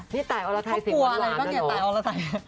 พี่ตายอรไทยเสียงสวยงามใช่มั๊ย